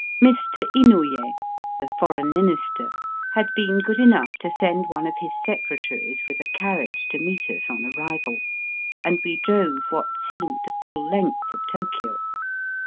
Mr. Inouye, the Foreign Minister, had been good enough to send one of his secre taries with a carriage to meet us on arrival, and we drove what seemed the full length of Tokio.